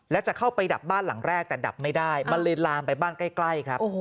แล้วจะเข้าไปดับบ้านหลังแรกแต่ดับไม่ได้มันเลยลามไปบ้านใกล้ครับ